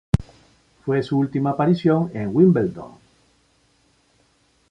Fue su última aparición en Wimbledon.